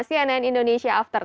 cnn indonesia after sepuluh